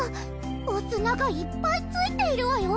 お砂がいっぱいついているわよ。